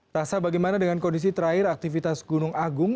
tasa bagaimana dengan kondisi terakhir aktivitas gunung agung